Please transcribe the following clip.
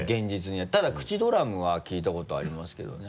ただくちドラムは聞いたことありますけどね。